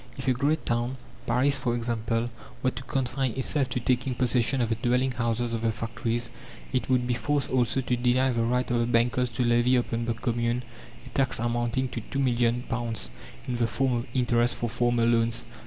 If a great town, Paris for example, were to confine itself to taking possession of the dwelling houses of the factories, it would be forced also to deny the right of the bankers to levy upon the Commune a tax amounting to £2,000,000, in the form of interest for former loans.